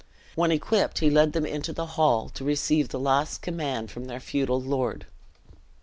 When equipped he led them into the hall, to receive the last command from their feudal lord.